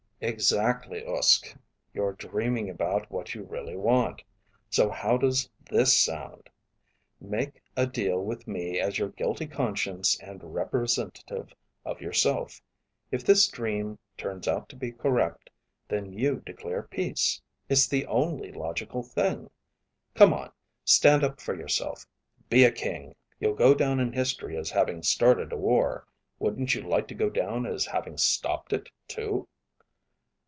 "Exactly, Uske. You're dreaming about what you really want. So how does this sound: make a deal with me as your guilty conscience and representative of yourself; if this dream turns out to be correct, then you declare peace. It's the only logical thing. Come on, stand up for yourself, be a king. You'll go down in history as having started a war. Wouldn't you like to go down as having stopped it too?"